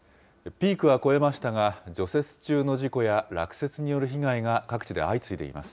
ピークは越えましたが、除雪中の事故や落雪による被害が各地で相次いでいます。